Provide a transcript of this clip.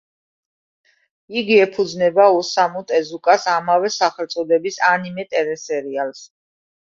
იგი ეფუძნება ოსამუ ტეზუკას ამავე სახელწოდების ანიმე ტელესერიალს.